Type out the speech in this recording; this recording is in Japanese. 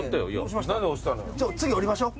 次降りましょう。